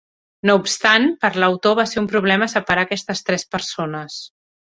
No obstant, per l'autor va ser un problema separar aquestes tres persones.